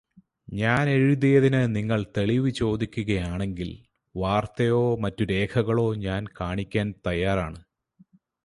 ഞാൻ എഴുതിയതിന് നിങ്ങൾ തെളീവ് ചോദിക്കുകയാണെങ്കിൽ വാർത്തയോ മറ്റു രേഖകളോ ഞാൻ കാണിക്കാൻ തയ്യാറാണ്.